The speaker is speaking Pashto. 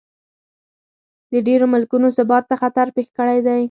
د ډېرو ملکونو ثبات ته خطر پېښ کړی دی.